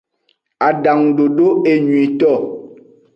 Adangudodo enyuieto.